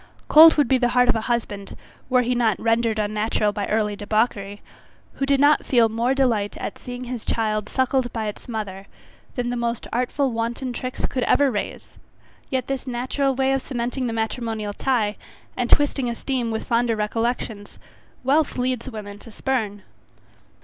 Cold would be the heart of a husband, were he not rendered unnatural by early debauchery, who did not feel more delight at seeing his child suckled by its mother, than the most artful wanton tricks could ever raise; yet this natural way of cementing the matrimonial tie, and twisting esteem with fonder recollections, wealth leads women to spurn.